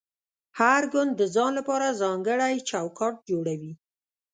هر ګوند د ځان لپاره ځانګړی چوکاټ جوړوي